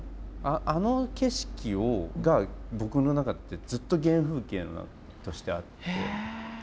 あの景色が僕の中でずっと原風景としてあって。